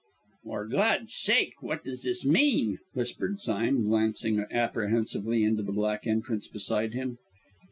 "For God's sake, what does this mean?" whispered Sime, glancing apprehensively into the black entrance beside him.